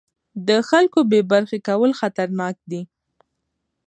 د خلکو بې برخې کول خطرناک دي